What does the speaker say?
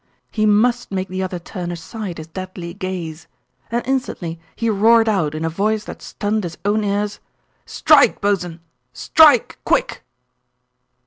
He must make the other turn aside his deadly gaze, and instantly he roared out in a voice that stunned his own ears: "Strike, bos'n! Strike, quick!"